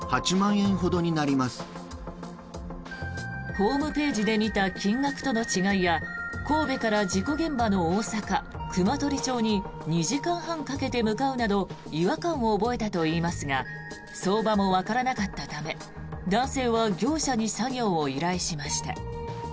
ホームページで見た金額との違いや神戸から事故現場の大阪・熊取町に２時間半かけて向かうなど違和感を覚えたといいますが相場もわからなかったため男性は業者に作業を依頼しました。